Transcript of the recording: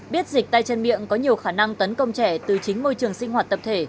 biết dịch tay chân miệng có nhiều khả năng tấn công trẻ từ chính môi trường sinh hoạt tập thể